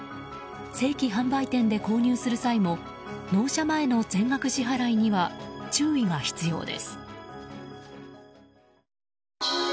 正規販売店で購入する際も納車前の全額支払いには注意が必要です。